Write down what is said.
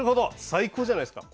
最高じゃないですか。